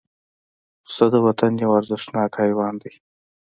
پسه د وطن یو ارزښتناک حیوان دی.